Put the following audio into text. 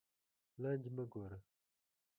لاندې مه گوره